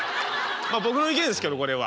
まあ僕の意見ですけどこれは。